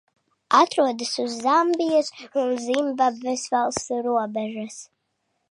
Atrodas uz Zambijas un Zimbabves valstu robežas.